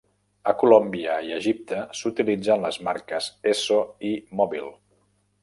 A Colòmbia i Egipte s'utilitzen les marques Esso i Mobil.